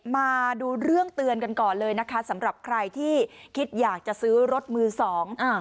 มาดูเรื่องเตือนกันก่อนเลยนะคะสำหรับใครที่คิดอยากจะซื้อรถมือสองอ่า